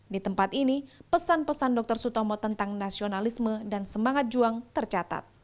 di tempat ini pesan pesan dr sutomo tentang nasionalisme dan semangat juang tercatat